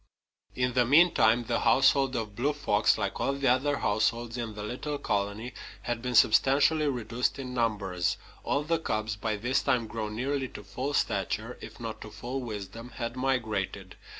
In the meantime the household of Blue Fox, like all the other households in the little colony, had been substantially reduced in numbers. All the cubs, by this time grown nearly to full stature, if not to full wisdom, had migrated.